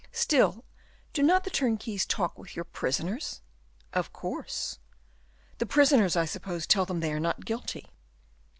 Still, do not the turnkeys talk with your prisoners?" "Of course." "The prisoners, I suppose, tell them they are not guilty?"